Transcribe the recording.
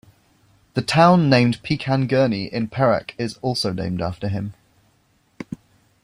The town named Pekan Gurney in Perak is also named after him.